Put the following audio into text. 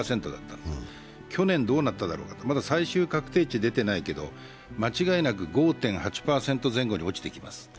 去年堂だったろうか、まだ最終確定値出てないけど間違いなく５．８％前後に落ちてきます。